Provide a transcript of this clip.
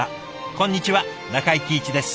こんにちは中井貴一です。